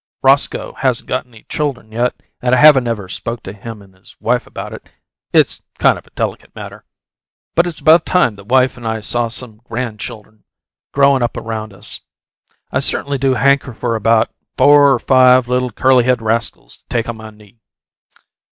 Roscoe hasn't got any chuldern yet, and I haven't ever spoke to him and his wife about it it's kind of a delicate matter but it's about time the wife and I saw some gran' chuldern growin' up around us. I certainly do hanker for about four or five little curly headed rascals to take on my knee.